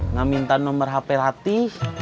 nga minta nomer hp hati